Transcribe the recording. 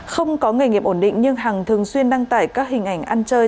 không có nghề nghiệp ổn định nhưng hằng thường xuyên đăng tải các hình ảnh ăn chơi